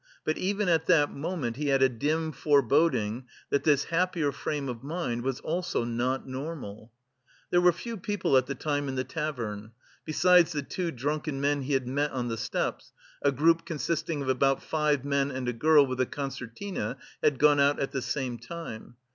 But even at that moment he had a dim foreboding that this happier frame of mind was also not normal. There were few people at the time in the tavern. Besides the two drunken men he had met on the steps, a group consisting of about five men and a girl with a concertina had gone out at the same time.